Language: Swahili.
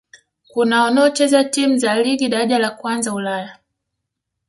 Kuna wanaocheza timu za Ligi Daraja la Kwanza Ulaya